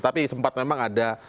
tapi sempat memang ada